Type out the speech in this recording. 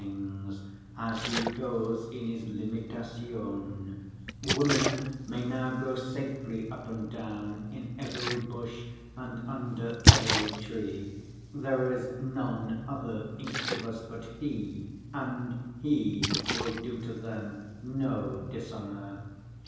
* *begging district Women may now go safely up and down, In every bush, and under every tree; There is none other incubus <5> but he; And he will do to them no dishonour.